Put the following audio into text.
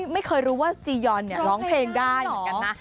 ไม่รู้ว่าจียอนร้องเพลงได้เหมือนกันนะ